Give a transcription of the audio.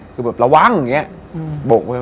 คือแบบระวังอย่างนี้